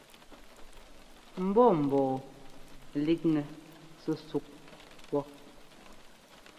Mbɔ́ mbɔɔ líkŋɛ súsúk pɔ.